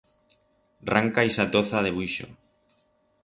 Ranca ixa toza de buixo.